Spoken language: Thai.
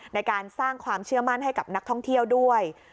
ในการสร้างความเชื่อมั่นให้กับนักท่องเที่ยวด้วย